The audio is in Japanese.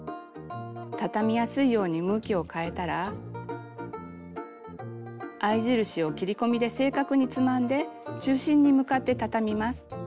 たたみやすいように向きを変えたら合い印を切り込みで正確につまんで中心に向かってたたみます。